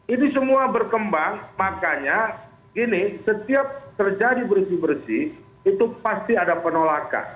ini semua berkembang makanya gini setiap terjadi bersih bersih itu pasti ada penolakan